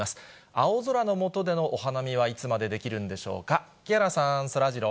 青空の下でのお花見はいつまでできるんでしょうか。